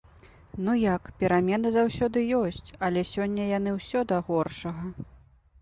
Ну як, перамены заўсёды ёсць, але сёння яны ўсё да горшага.